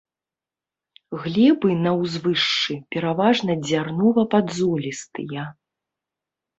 Глебы на ўзвышшы пераважна дзярнова-падзолістыя.